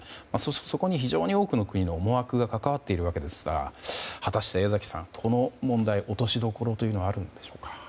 そこに非常に多くの国の思惑が関わっているわけですが果たして江崎さん、この問題落としどころというのはあるんでしょうか。